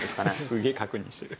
すげえ確認してる。